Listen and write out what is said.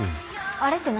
あれって何？